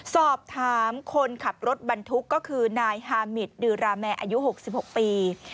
สอบถามคนขับรถบรรทุกก็คือนายฮามิตดือราแมร์อายุ๖๖ปี